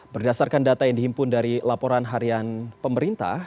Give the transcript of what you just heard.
berdasarkan data yang dihimpun dari laporan harian pemerintah